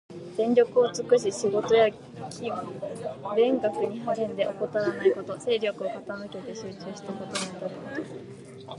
全力を尽くし仕事や勉学に励んで、怠らないこと。精力を傾けて集中して事にあたること。